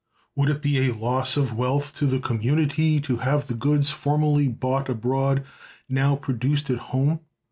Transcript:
Would it be a loss of wealth to the community to have the goods formerly bought abroad now produced at home?